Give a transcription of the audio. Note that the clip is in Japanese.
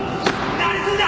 何するんだ！